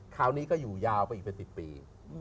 คราวนี้ก็อยู่ยาวไปอีกเป็น๑๐ปี